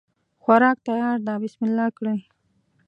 خوراک تیار ده بسم الله کړی